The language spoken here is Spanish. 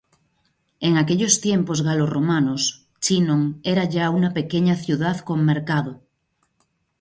En aquellos tiempos galo-romanos, Chinon era ya una pequeña ciudad con mercado.